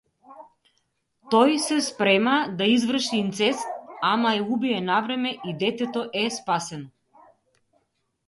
Тој се спрема да изврши инцест, ама е убиен навреме и детето е спасено.